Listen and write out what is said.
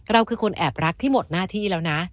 เราคือคนแอบรักที่หมดหน้าที่แล้วนะ